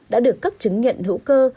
đã được cấp chứng nhận hữu cơ